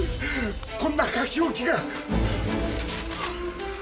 こんな書き置きが。